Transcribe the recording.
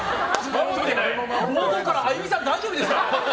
あゆみさん、大丈夫ですか？